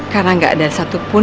karena nggak ada satupun